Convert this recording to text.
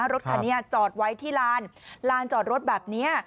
เพราะว่ารถเขาจอดไว้ที่ลานลานจอดรถแบบนี้